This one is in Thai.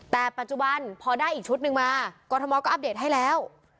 แต่ปัจจุบันพอได้อีกชุดหนึ่งมากรทมก็อัปเดตให้แล้ว